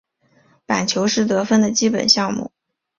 板球是得分的基本单位。